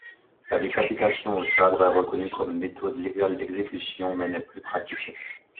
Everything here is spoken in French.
La décapitation au sabre est reconnue comme méthode légale d'exécution mais n'est plus pratiquée.